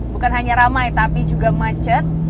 bukan hanya ramai tapi juga macet